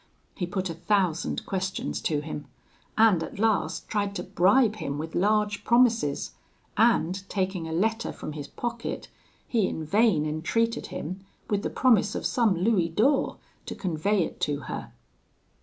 He put a thousand questions to him, and at last tried to bribe him with large promises; and taking a letter from his pocket, he in vain entreated him, with the promise of some louis d'ors, to convey it to her.